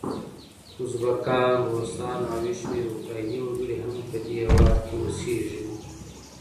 ازبکان، روسان او یو شمېر اوکرایني وګړي هم په دې هیواد کې اوسیږي.